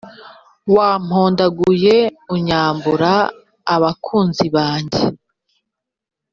wampondaguye, unyambura abakunzi banjye.